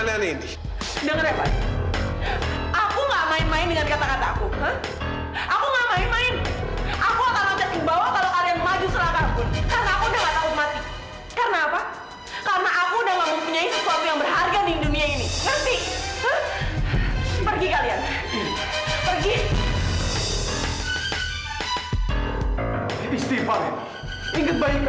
enggak pak enggak gua gak akan lepasin lu taufan